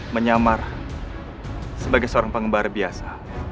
menyamar sebagai seorang pengembar biasa